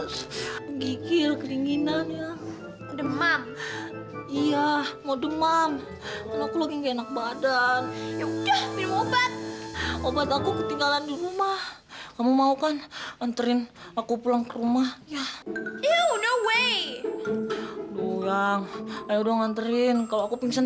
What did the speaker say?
sampai jumpa di video selanjutnya